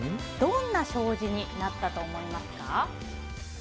どんな障子になったと思いますか？